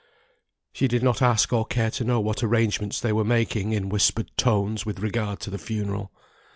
She did not ask or care to know what arrangements they were making in whispered tones with regard to the funeral.